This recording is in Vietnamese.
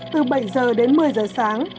từ bảy giờ đến một mươi giờ sáng